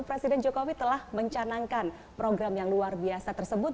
presiden jokowi telah mencanangkan program yang luar biasa tersebut